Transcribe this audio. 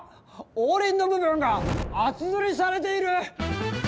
黄りんの部分が厚塗りされている！